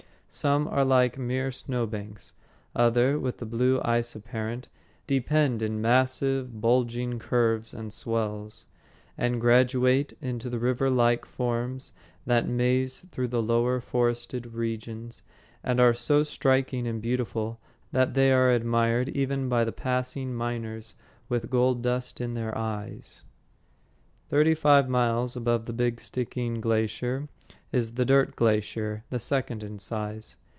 Some are like mere snow banks; others, with the blue ice apparent, depend in massive bulging curves and swells, and graduate into the river like forms that maze through the lower forested regions and are so striking and beautiful that they are admired even by the passing miners with gold dust in their eyes. Thirty five miles above the Big Stickeen Glacier is the "Dirt Glacier," the second in size.